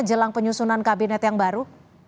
jelang penyusunan kabinet yang baru